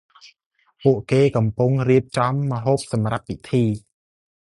ពួកគេ កំពុងរៀបចំម្ហូបសំរាប់ពីធី ។